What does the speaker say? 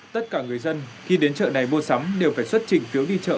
tất cả người dân khi đến chợ này mua sắm đều phải xuất trình phiếu đi chợ